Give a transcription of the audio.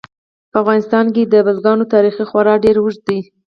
په افغانستان کې د بزګانو تاریخ خورا ډېر اوږد دی.